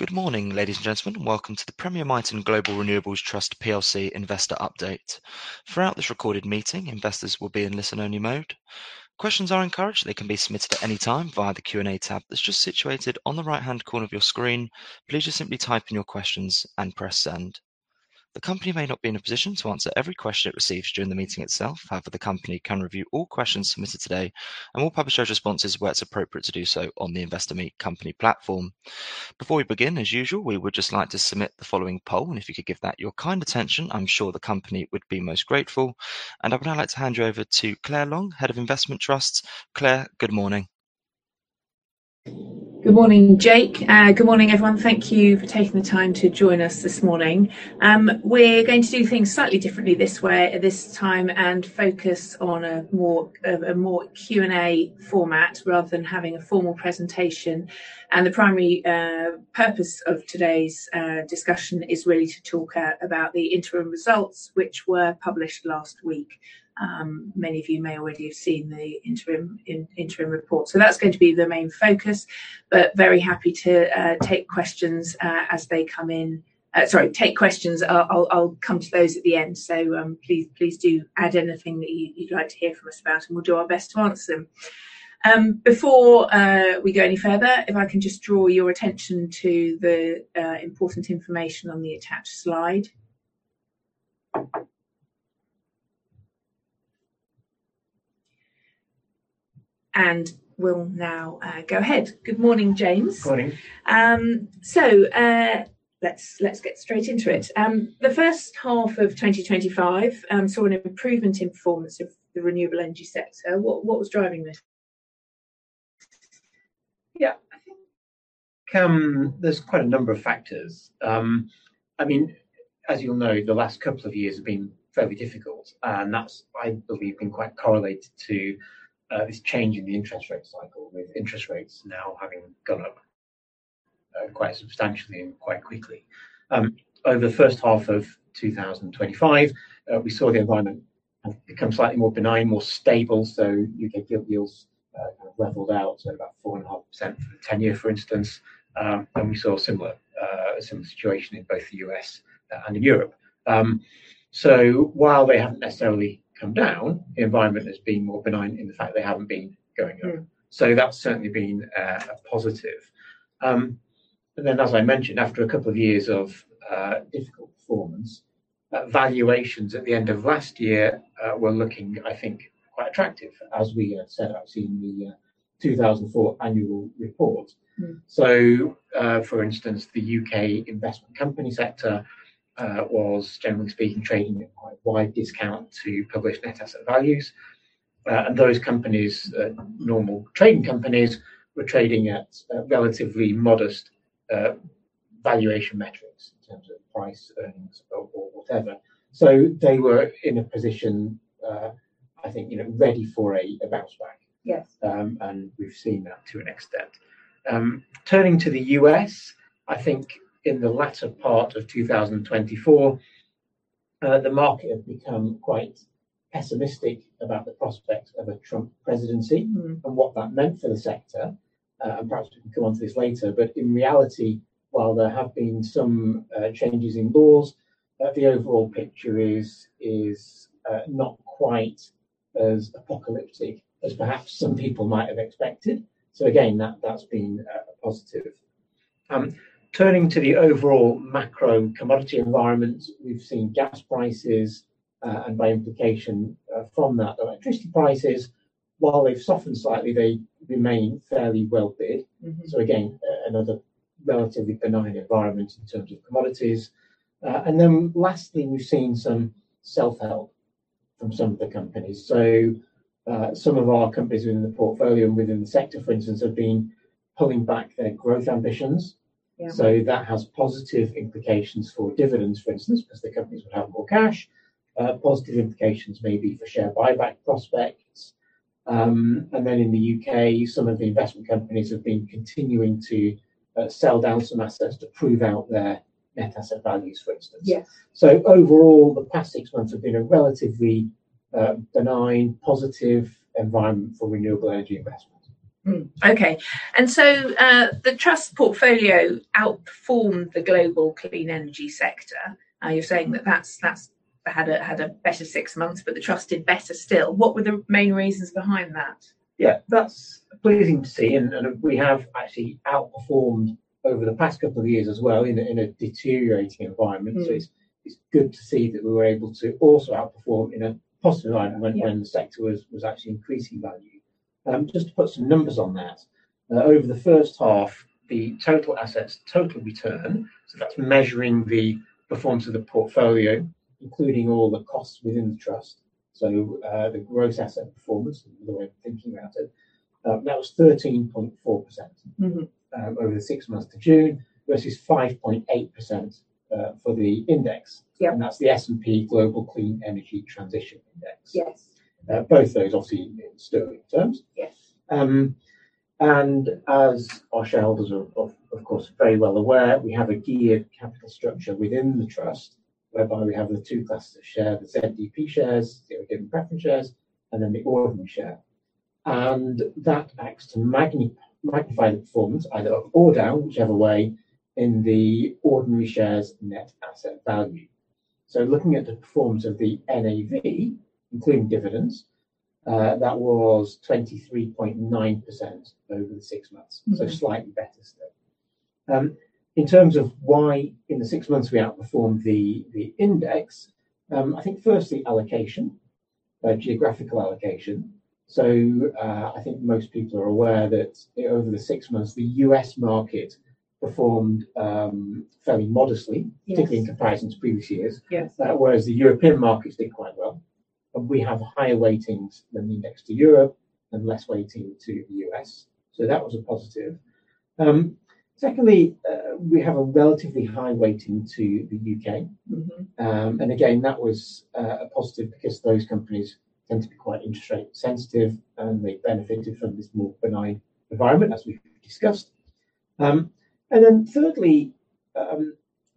Good morning, ladies and gentlemen. Welcome to the Premier Miton Global Renewables Trust plc investor update. Throughout this recorded meeting, investors will be in listen-only mode. Questions are encouraged. They can be submitted at any time via the Q&A tab that's just situated on the right-hand corner of your screen. Please just simply type in your questions and press send. The company may not be in a position to answer every question it receives during the meeting itself. However, the company can review all questions submitted today and will publish those responses where it's appropriate to do so on the Investor Meet Company platform. Before we begin, as usual, we would just like to submit the following poll, and if you could give that your kind attention, I'm sure the company would be most grateful. I would now like to hand you over to Claire Long, Head of Investment Trusts. Claire, good morning. Good morning, Jake. Good morning, everyone. Thank you for taking the time to join us this morning. We're going to do things slightly differently this time and focus on a more Q&A format rather than having a formal presentation, and the primary purpose of today's discussion is really to talk about the interim results, which were published last week. Many of you may already have seen the interim report. That's going to be the main focus but very happy to take questions as they come in. Sorry. Take questions, I'll come to those at the end. Please do add anything that you'd like to hear from us about, and we'll do our best to answer them. Before we go any further, if I can just draw your attention to the important information on the attached slide. We'll now go ahead. Good morning, James. Morning. Let's get straight into it. The first half of 2025 saw an improvement in performance of the renewable energy sector. What was driving this? Yeah, I think. There's quite a number of factors. I mean, as you'll know, the last couple of years have been fairly difficult, and that's, I believe, been quite correlated to, this change in the interest rate cycle with interest rates now having gone up, quite substantially and quite quickly. Over the first half of 2025, we saw the environment become slightly more benign, more stable. U.K. gilt yields, kind of leveled out at about 4.5% for the 10-year, for instance, and we saw a similar situation in both the U.S., and in Europe. While they haven't necessarily come down, the environment has been more benign in the fact they haven't been going up. Mm-hmm. That's certainly been a positive. As I mentioned, after a couple of years of difficult performance, valuations at the end of last year were looking, I think, quite attractive as we had set out in the 2024 annual report. Mm-hmm. For instance, the U.K. investment company sector was generally speaking trading at quite a wide discount to published net asset values. Those companies, normal trading companies were trading at relatively modest valuation metrics in terms of price earnings or whatever. They were in a position, I think, you know, ready for a bounce back. Yes. We've seen that to an extent. Turning to the U.S., I think in the latter part of 2024, the market had become quite pessimistic about the prospect of a Trump presidency. Mm-hmm. What that meant for the sector. Perhaps we can come onto this later. In reality, while there have been some changes in laws, the overall picture is not quite as apocalyptic as perhaps some people might have expected. Again, that's been a positive. Turning to the overall macro commodity environment, we've seen gas prices and by implication from that, electricity prices, while they've softened slightly, they remain fairly well bid. Mm-hmm. Again, another relatively benign environment in terms of commodities. And then lastly, we've seen some self-help from some of the companies. Some of our companies within the portfolio and within the sector, for instance, have been pulling back their growth ambitions. Yeah. That has positive implications for dividends, for instance, because the companies would have more cash. Positive implications maybe for share buyback prospects. In the U.K., some of the investment companies have been continuing to sell down some assets to prove out their net asset values, for instance. Yes. Overall, the past six months have been a relatively benign, positive environment for renewable energy investment. The trust portfolio outperformed the global clean energy sector. You're saying that that's had a better six months, but the trust did better still. What were the main reasons behind that? Yeah. That's pleasing to see, and we have actually outperformed over the past couple of years as well in a deteriorating environment. Mm-hmm. It's good to see that we were able to also outperform in a positive environment. Yeah. When the sector was actually increasing value. Just to put some numbers on that. Over the first half, the total assets total return, so that's measuring the performance of the portfolio, including all the costs within the trust. The gross asset performance, the way of thinking about it, that was 13.4%. Mm-hmm. Over the six months to June versus 5.8% for the index. Yeah. That's the S&P Global Clean Energy Transition Index. Yes. Both those obviously in sterling terms. Yes. As our shareholders are, of course, very well aware, we have a geared capital structure within the trust, whereby we have the two classes of share, the ZDP Shares, Zero Dividend Preference shares, and then the ordinary share. That acts to magnify the performance either up or down, whichever way, in the ordinary shares net asset value. Looking at the performance of the NAV, including dividends, that was 23.9% over the six months. Mm-hmm. Slightly better still. In terms of why in the six months we outperformed the index, I think firstly allocation, geographical allocation. I think most people are aware that over the six months, the U.S. market performed fairly modestly. Yes. Particularly in comparison to previous years. Yes. Whereas the European markets did quite well. We have higher weightings than the index to Europe and less weighting to the U.S. That was a positive. Secondly, we have a relatively high weighting to the U.K. Mm-hmm. Again, that was a positive because those companies tend to be quite interest rate sensitive, and they benefited from this more benign environment, as we've discussed. Thirdly,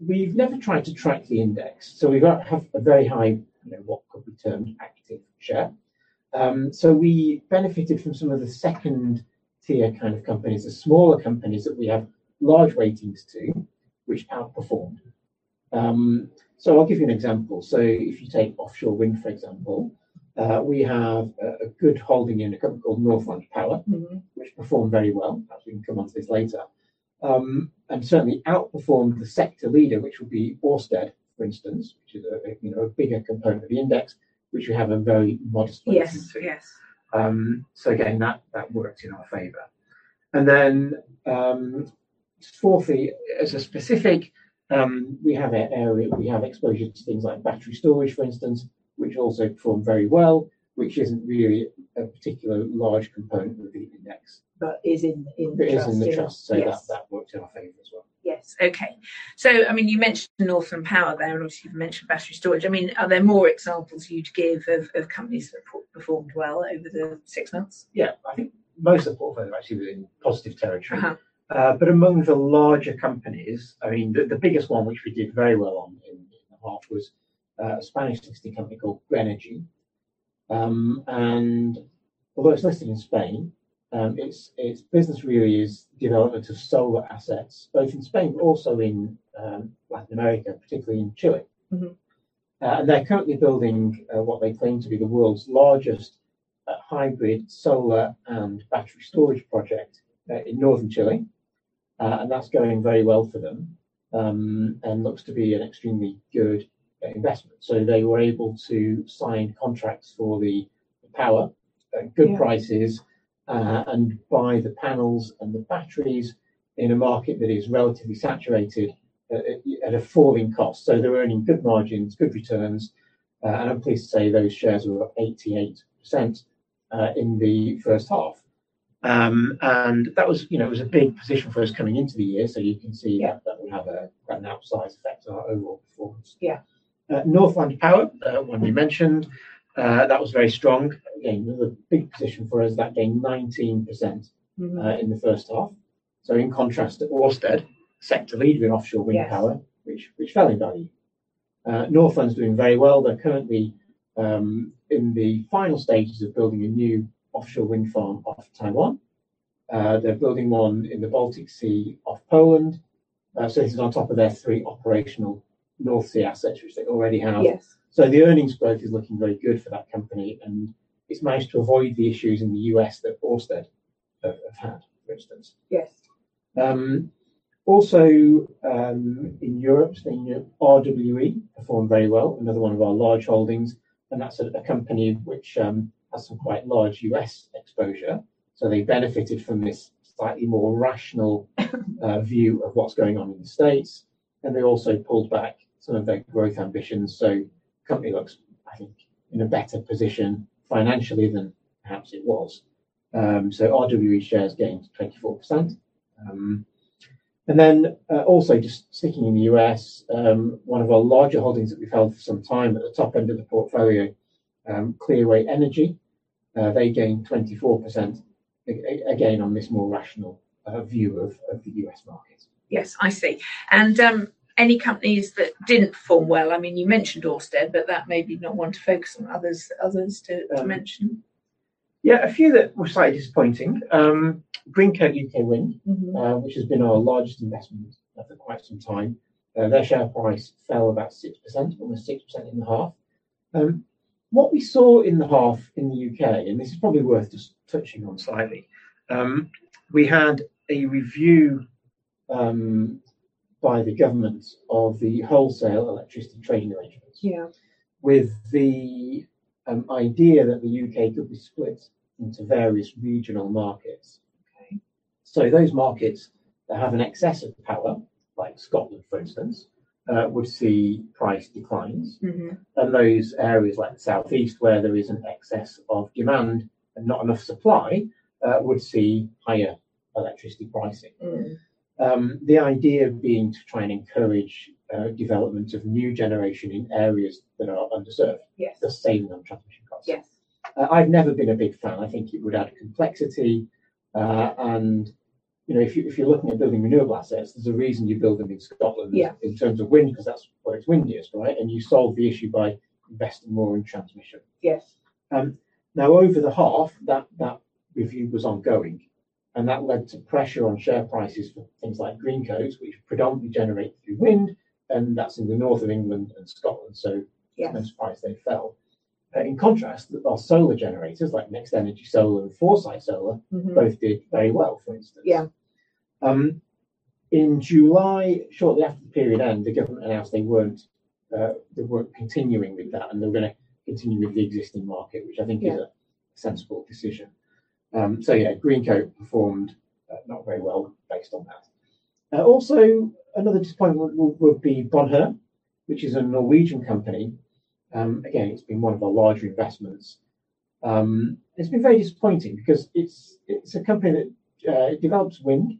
we've never tried to track the index, so we have a very high, you know, what could be termed active share. We benefited from some of the second tier kind of companies, the smaller companies that we have large weightings to, which outperformed. I'll give you an example. If you take offshore wind, for example, we have a good holding in a company called Northland Power. Mm-hmm. Which performed very well. Perhaps we can come onto this later. Certainly outperformed the sector leader, which would be Ørsted, for instance, which is a, you know, a bigger component of the index, which we have a very modest position to. Yes. Yes. Again, that worked in our favor. Fourthly, as a specific, we have exposure to things like battery storage, for instance, which also performed very well, which isn't really a particular large component of the index. Is in the trust? It is in the trust. That worked in our favor as well. Yes. Okay. I mean, you mentioned Northland Power there, and obviously you've mentioned battery storage. I mean, are there more examples you'd give of companies that performed well over the six months? Yeah. I think most of the portfolio actually was in positive territory. Uh-huh. Among the larger companies, I mean the biggest one, which we did very well on in March was a Spanish listed company called Grenergy. Although it's listed in Spain, its business really is development of solar assets, both in Spain but also in Latin America, particularly in Chile. Mm-hmm. They're currently building what they claim to be the world's largest hybrid solar and battery storage project in northern Chile. That's going very well for them and looks to be an extremely good investment. They were able to sign contracts for the power at good prices. Yeah. Buy the panels and the batteries in a market that is relatively saturated at a falling cost. They're earning good margins, good returns. I'm pleased to say those shares were up 88% in the first half. That was, you know, a big position for us coming into the year. You can see. Yeah. That will have an outsized effect on our overall performance. Yeah. Northland Power, one we mentioned, that was very strong. Again, another big position for us. That gained 19%. Mm-hmm. In the first half. In contrast to Ørsted, sector leader in offshore wind power. Yes. Which fell in value. Northland's doing very well. They're currently in the final stages of building a new offshore wind farm off Taiwan. They're building one in the Baltic Sea off Poland. This is on top of their three operational North Sea assets which they already have. Yes. The earnings growth is looking very good for that company, and it's managed to avoid the issues in the U.S. that Ørsted have had, for instance. Yes. Also, in Europe, staying in Europe, RWE performed very well, another one of our large holdings, and that's a company which has some quite large U.S. exposure. They benefited from this slightly more rational view of what's going on in the states. They also pulled back some of their growth ambitions. Company looks, I think, in a better position financially than perhaps it was. RWE shares gained 24%. Also just sticking in the U.S., one of our larger holdings that we've held for some time at the top end of the portfolio, Clearway Energy, they gained 24% again, on this more rational view of the U.S. market. Yes. I see. Any companies that didn't perform well? I mean, you mentioned Ørsted, but that may be not one to focus on. Others to mention? Yeah, a few that were slightly disappointing. Greencoat UK Wind. Mm-hmm. Which has been our largest investment, for quite some time, their share price fell about 6%, almost 6% in the half. What we saw in the half in the U.K., and this is probably worth just touching on slightly, we had a review by the government of the wholesale electricity trading arrangements. Yeah. With the idea that the U.K. could be split into various regional markets. Okay. Those markets that have an excess of power, like Scotland, for instance, would see price declines. Mm-hmm. Those areas like the Southeast where there is an excess of demand and not enough supply would see higher electricity pricing. Mm. The idea being to try and encourage development of new generation in areas that are underserved. Yes. To save on transmission costs. Yes. I've never been a big fan. I think it would add complexity, and you know, if you're looking at building renewable assets, there's a reason you build them in Scotland. Yeah In terms of wind, cause that's where it's windiest, right? You solve the issue by investing more in transmission. Yes. Now over the half that review was ongoing, and that led to pressure on share prices for things like Greencoat, which predominantly generate through wind, and that's in the north of England and Scotland. Yes No surprise they fell. In contrast, our solar generators like NextEnergy Solar and Foresight Solar. Mm-hmm. Both did very well, for instance. Yeah. In July, shortly after the period end, the government announced they weren't continuing with that and they were gonna continue with the existing market. Yeah. Which I think is a sensible decision. Greencoat performed not very well based on that. Also another disappointment would be Bonheur, which is a Norwegian company. Again, it's been one of our larger investments. It's been very disappointing because it's a company that develops wind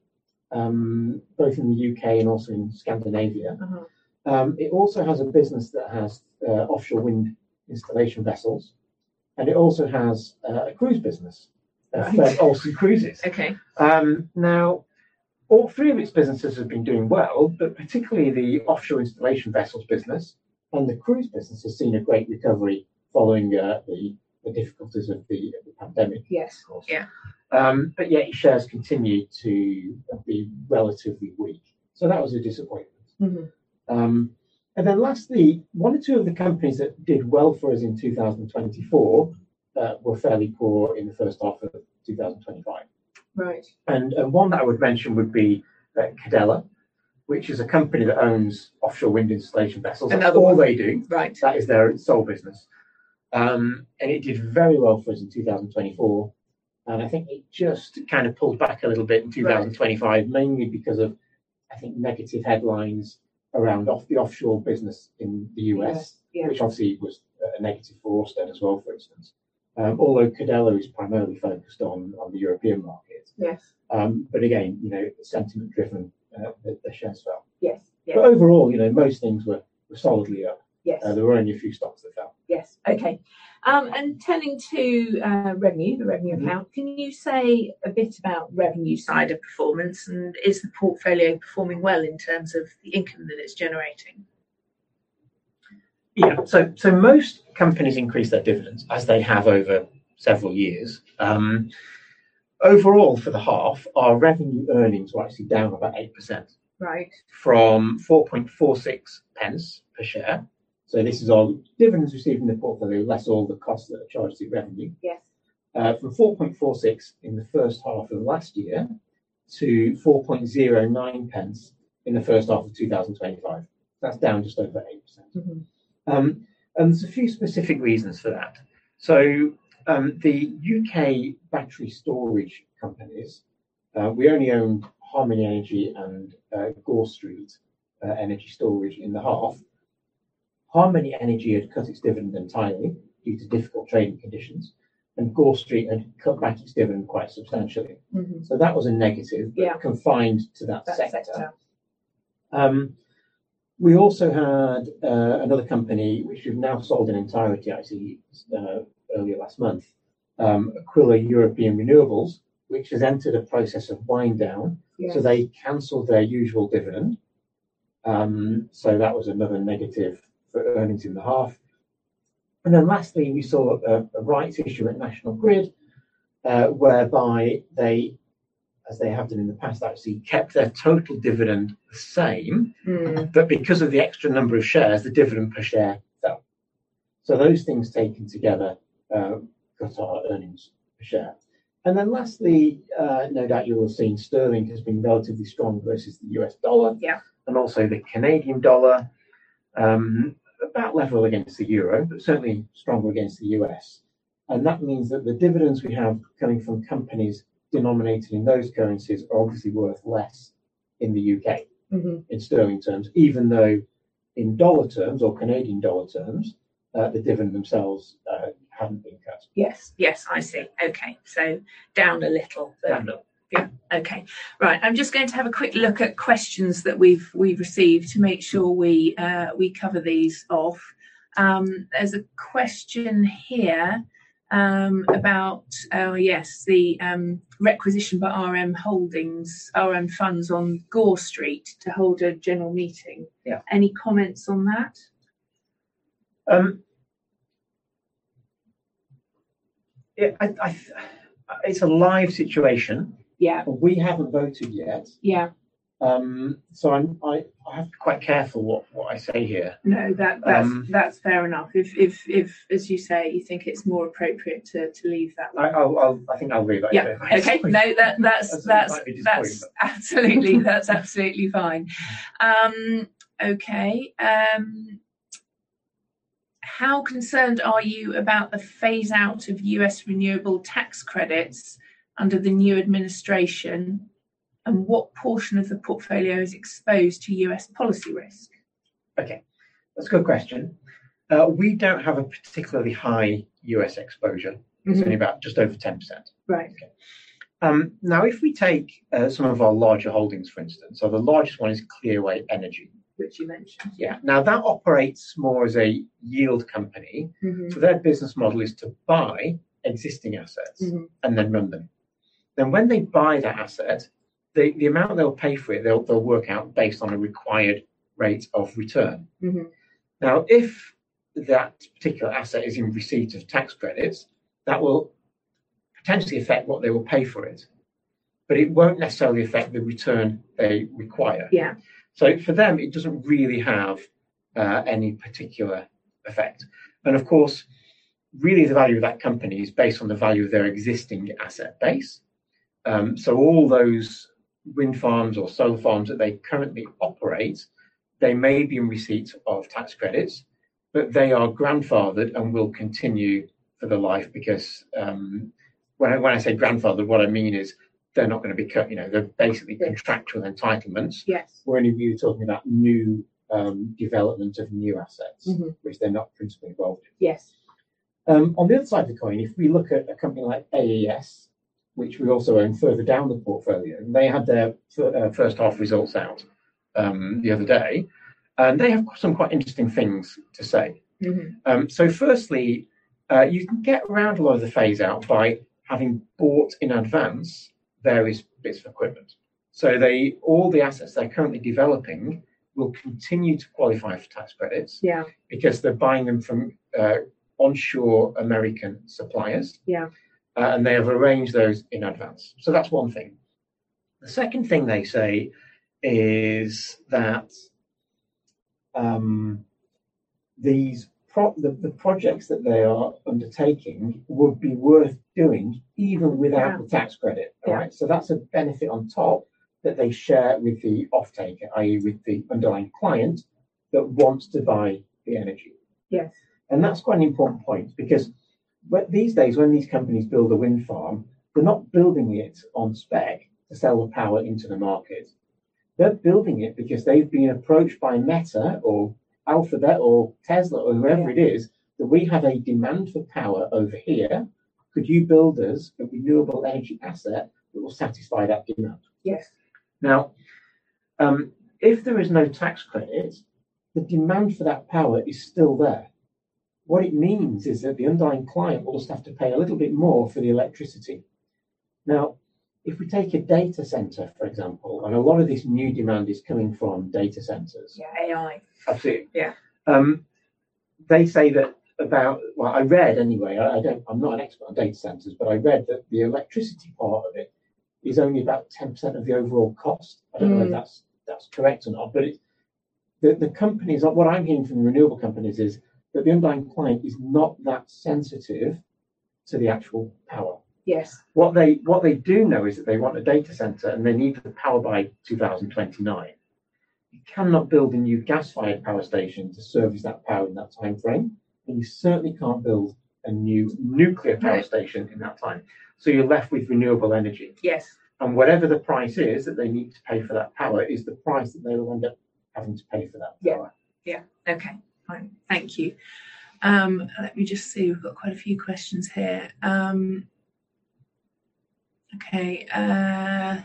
both in the U.K. and also in Scandinavia. Uh-huh. It also has a business that has offshore wind installation vessels, and it also has a cruise business. Right. For ocean cruises. Okay. Now all three of its businesses have been doing well, but particularly the offshore installation vessels business and the cruise business has seen a great recovery following the difficulties of the pandemic. Yes. Of course. Yeah. Yet its shares continued to be relatively weak. That was a disappointment. Mm-hmm. Lastly, one or two of the companies that did well for us in 2024 were fairly poor in the first half of 2025. Right. One that I would mention would be Cadeler, which is a company that owns offshore wind installation vessels. Another one. That's all they do. Right. That is their sole business. It did very well for us in 2024, and I think it just kind of pulled back a little bit in 2025. Right. Mainly because of, I think, negative headlines around the offshore business in the U.S. Yes, yeah. Which obviously was a negative force then as well, for instance. Although Cadeler is primarily focused on the European market. Yes. Again, you know, sentiment driven, the shares fell. Yes. Yeah. Overall, you know, most things were solidly up. Yes. There were only a few stocks that fell. Yes. Okay. Turning to revenue, the revenue account. Mm-hmm. Can you say a bit about revenue side of performance and is the portfolio performing well in terms of the income that it's generating? Most companies increase their dividends as they have over several years. Overall, for the half, our revenue earnings were actually down about 8%. Right. From 0.0446 per share. This is all dividends received in the portfolio, less all the costs that are charged to revenue. Yes. From 0.0446 in the first half of last year to 0.0409 in the first half of 2025. That's down just over 8%. Mm-hmm. There's a few specific reasons for that. The U..K battery storage companies we only own Harmony Energy and [Gore Street Energy Storage in the half. Harmony Energy had cut its dividend entirely due to difficult trading conditions, and Gore Street had cut back its dividend quite substantially. Mm-hmm. That was a negative. Yeah. Confined to that sector. That sector. We also had another company which we've now sold in entirety actually earlier last month. Aquila European Renewables, which has entered a process of wind down. Yes. They canceled their usual dividend. That was another negative for earnings in the half. Then lastly, we saw a rights issue at National Grid, whereby they, as they have done in the past, actually kept their total dividend the same. Mm-hmm. Because of the extra number of shares, the dividend per share fell. Those things taken together, cut our earnings per share. Lastly, no doubt you will have seen sterling has been relatively strong versus the U.S. dollar. Yeah. Also the Canadian dollar. About level against the euro, but certainly stronger against the U.S. That means that the dividends we have coming from companies denominated in those currencies are obviously worth less in the U.K. Mm-hmm. In sterling terms, even though in dollar terms or Canadian dollar terms, the dividends themselves haven't been cut. Yes. Yes, I see. Mm-hmm. Okay. Down a little, but. Down a little. Yeah. Okay. Right. I'm just going to have a quick look at questions that we've received to make sure we cover these off. There's a question here about oh yes the requisition by RM Funds on Gore Street to hold a general meeting. Yeah. Any comments on that? Yeah, it's a live situation. Yeah. We haven't voted yet. Yeah. I have to be quite careful what I say here. No, that's fair enough. If as you say, you think it's more appropriate to leave that one. I think I'll leave that here. Yeah. Okay. I just think. No, that's. Might be disappointing, but. Absolutely. That's absolutely fine. Okay. How concerned are you about the phase out of U.S. renewable tax credits under the new administration, and what portion of the portfolio is exposed to U.S. policy risk? Okay. That's a good question. We don't have a particularly high U.S. exposure. Mm-hmm. It's only about just over 10%. Right. Now, if we take some of our larger holdings, for instance, the largest one is Clearway Energy. Which you mentioned. Yeah. Now, that operates more as a yield company. Mm-hmm. Their business model is to buy existing assets. Mm-hmm And then run them. When they buy the asset, the amount they'll pay for it, they'll work out based on a required rate of return. Mm-hmm. Now, if that particular asset is in receipt of tax credits, that will potentially affect what they will pay for it, but it won't necessarily affect the return they require. Yeah. For them, it doesn't really have any particular effect. Of course, really the value of that company is based on the value of their existing asset base. All those wind farms or solar farms that they currently operate, they may be in receipt of tax credits, but they are grandfathered and will continue for the life because when I say grandfather, what I mean is they're not gonna be cut, you know, they're basically. Yeah. Contractual entitlements. Yes. We're only really talking about new development of new assets. Mm-hmm. Which they're not principally involved in. Yes. On the other side of the coin, if we look at a company like AES, which we also own further down the portfolio, and they had their first half results out the other day, and they have some quite interesting things to say. Mm-hmm. Firstly, you can get around a lot of the phase-out by having bought in advance various bits of equipment. All the assets they're currently developing will continue to qualify for tax credits. Yeah Because they're buying them from onshore American suppliers. Yeah. They have arranged those in advance. That's one thing. The second thing they say is that the projects that they are undertaking would be worth doing even without. Yeah. The tax credit. Yeah. All right? That's a benefit on top that they share with the off-taker, i.e., with the underlying client that wants to buy the energy. Yes. That's quite an important point because these days when these companies build a wind farm, they're not building it on spec to sell the power into the market. They're building it because they've been approached by Meta or Alphabet or Tesla or whoever it is. Yeah that we have a demand for power over here. Could you build us a renewable energy asset that will satisfy that demand? Yes. Now, if there is no tax credit, the demand for that power is still there. What it means is that the underlying client will just have to pay a little bit more for the electricity. Now, if we take a data center, for example, and a lot of this new demand is coming from data centers. Yeah, AI. Absolutely. Yeah. They say that about. Well, I read anyway. I'm not an expert on data centers, but I read that the electricity part of it is only about 10% of the overall cost. Mm-hmm. I don't know if that's correct or not, but what I'm hearing from renewable companies is that the underlying client is not that sensitive to the actual power. Yes. What they do know is that they want a data center, and they need the power by 2029. You cannot build a new gas-fired power station to service that power in that timeframe, and you certainly can't build a new nuclear power station. In that time. You're left with renewable energy. Yes. Whatever the price is that they need to pay for that power is the price that they will end up having to pay for that power. Yeah. Okay. Fine. Thank you. Let me just see. We've got quite a few questions here. Okay. I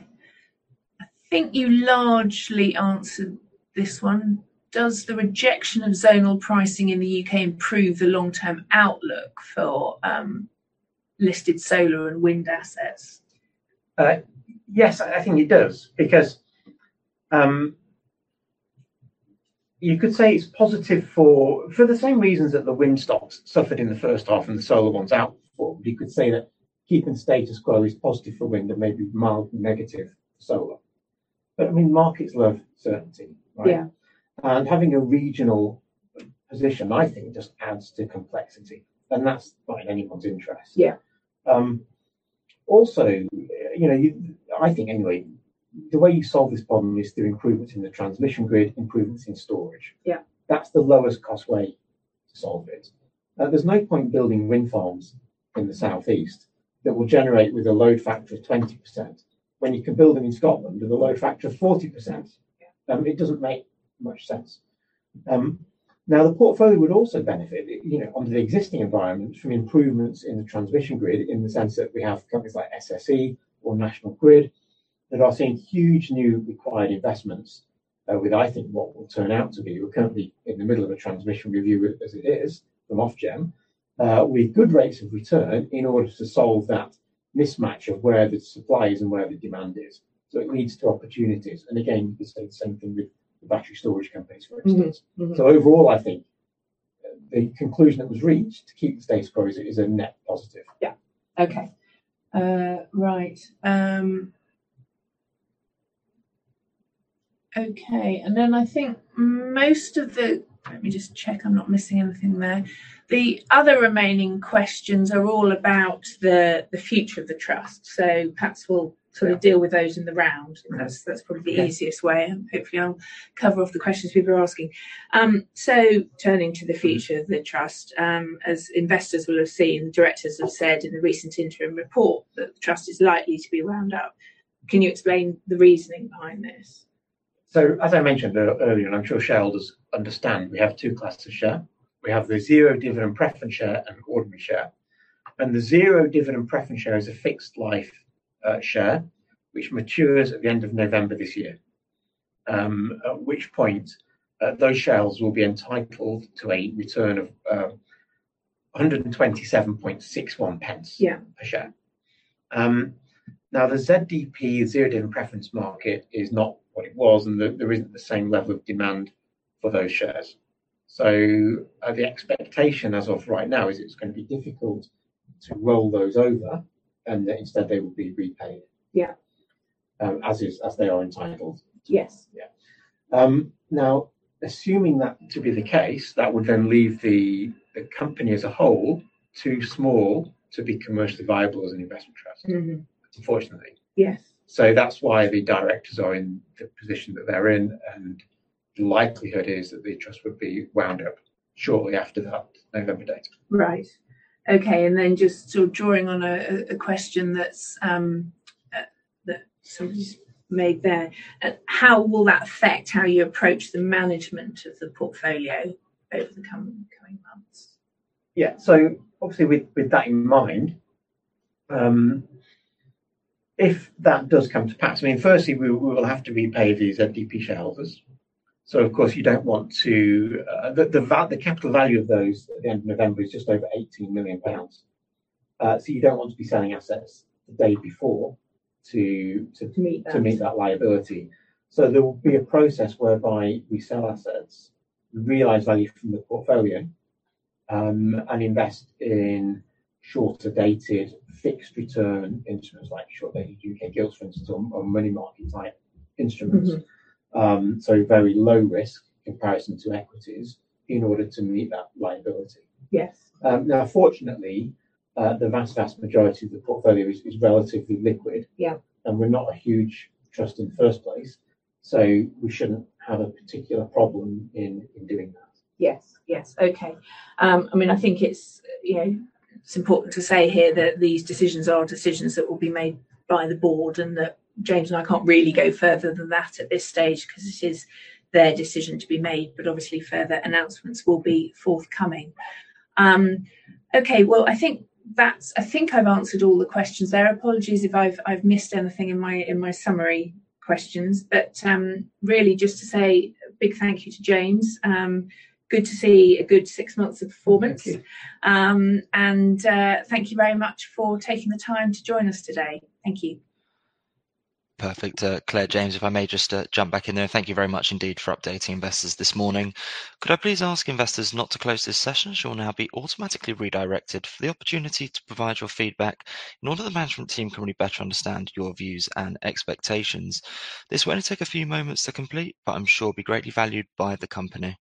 think you largely answered this one. Does the rejection of zonal pricing in the U.K. improve the long-term outlook for listed solar and wind assets? Yes, I think it does because you could say it's positive for the same reasons that the wind stocks suffered in the first half and the solar ones outperformed. You could say that keeping status quo is positive for wind and maybe mildly negative for solar. I mean, markets love certainty, right? Yeah. Having a regional position, I think, just adds to complexity, and that's not in anyone's interest. Yeah. Also, you know, I think anyway, the way you solve this problem is through improvements in the transmission grid, improvements in storage. Yeah. That's the lowest cost way to solve it. Now, there's no point building wind farms in the Southeast that will generate with a load factor of 20% when you can build them in Scotland with a load factor of 40%. Yeah. It doesn't make much sense. Now the portfolio would also benefit, you know, under the existing environment from improvements in the transmission grid in the sense that we have companies like SSE or National Grid that are seeing huge new required investments, with, I think, what will turn out to be, we're currently in the middle of a transmission review as it is from Ofgem, with good rates of return in order to solve that mismatch of where the supply is and where the demand is. It leads to opportunities. Again, you could say the same thing with the battery storage companies, for instance. Mm-hmm. Mm-hmm. Overall, I think, the conclusion that was reached to keep the status quo is a net positive. Let me just check I'm not missing anything there. The other remaining questions are all about the future of the trust. Perhaps we'll sort of. Yeah. Deal with those in the round. Okay. I think that's probably the easiest way, and hopefully I'll cover off the questions people are asking. Turning to the future of the trust, as investors will have seen, the directors have said in the recent interim report that the trust is likely to be wound up. Can you explain the reasoning behind this? As I mentioned earlier, and I'm sure shareholders understand, we have two classes of share. We have the Zero Dividend Preference share and ordinary share. The Zero Dividend Preference share is a fixed life share, which matures at the end of November this year. At which point, those shareholders will be entitled to a return of 1.2761. Yeah. Per share. Now the ZDP, Zero Dividend Preference market is not what it was and there isn't the same level of demand for those shares. The expectation as of right now is it's gonna be difficult to roll those over and that instead they will be repaid. Yeah. As is, as they are entitled to. Yes. Yeah. Now assuming that to be the case, that would then leave the company as a whole too small to be commercially viable as an investment trust. Mm-hmm. Unfortunately. Yes. That's why the directors are in the position that they're in and the likelihood is that the trust would be wound up shortly after that November date. Right. Okay, just sort of drawing on a question that's sort of raised there. How will that affect how you approach the management of the portfolio over the coming months? Yeah. Obviously with that in mind, if that does come to pass, I mean, firstly we will have to repay these ZDP shareholders. Of course you don't want to. The capital value of those at the end of November is just over 18 million pounds. You don't want to be selling assets the day before to. To meet that To meet that liability. There will be a process whereby we sell assets, realize value from the portfolio, and invest in shorter dated fixed return instruments like short dated U.K. gilts for instance, or money market type instruments. Mm-hmm. Very low risk comparison to equities in order to meet that liability. Yes. Now fortunately, the vast majority of the portfolio is relatively liquid. Yeah. We're not a huge trust in the first place, so we shouldn't have a particular problem in doing that. Yes. Yes. Okay. I mean, I think it's, you know, it's important to say here that these decisions are decisions that will be made by the board and that James and I can't really go further than that at this stage 'cause it is their decision to be made, but obviously further announcements will be forthcoming'. Okay. Well, I think I've answered all the questions there. Apologies if I've missed anything in my summary questions. Really just to say a big thank you to James. Good to see a good six months of performance. Thank you. Thank you very much for taking the time to join us today. Thank you. Perfect. Claire, James, if I may just jump back in there. Thank you very much indeed for updating investors this morning. Could I please ask investors not to close this session, as you'll now be automatically redirected for the opportunity to provide your feedback in order that the management team can really better understand your views and expectations. This will only take a few moments to complete, but I'm sure it will be greatly valued by the company.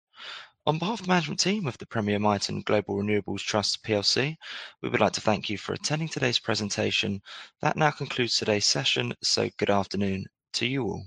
On behalf of the management team of the Premier Miton Global Renewables Trust plc, we would like to thank you for attending today's presentation. That now concludes today's session. Good afternoon to you all.